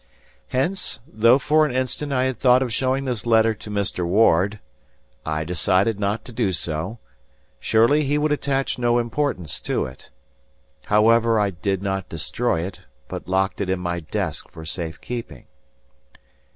Hence, though for an instant I had thought of showing this letter to Mr. Ward, I decided not to do so. Surely he would attach no importance to it. However, I did not destroy it, but locked it in my desk for safe keeping.